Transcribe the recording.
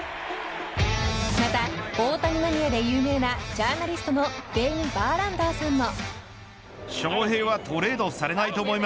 また、大谷マニアで有名なジャーナリストのベン・バーランダーさんも。